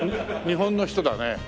日本の人だね。